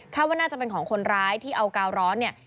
ว่าน่าจะเป็นของคนร้ายที่เอากาวร้อนเนี่ย